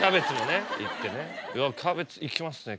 キャベツいきますね。